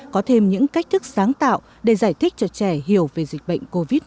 có thêm những cách thức sáng tạo để giải thích cho trẻ hiểu về dịch bệnh covid một mươi chín